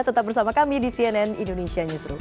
tetap bersama kami di cnn indonesia newsroom